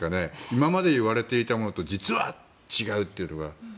今まで言われていたものと実は違うというのが。